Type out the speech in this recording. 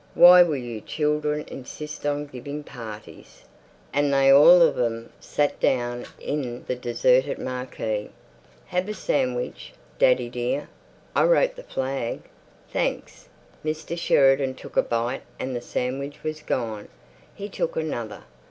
Why will you children insist on giving parties!" And they all of them sat down in the deserted marquee. "Have a sandwich, daddy dear. I wrote the flag." "Thanks." Mr. Sheridan took a bite and the sandwich was gone. He took another.